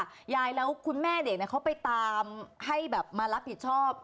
ยายแล้วคุณแม่เด็กเขาไปตามให้แบบมารับผิดชอบ